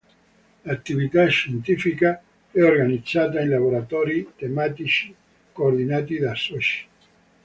L'attività scientifica è organizzata in "Laboratori" tematici, coordinati da soci.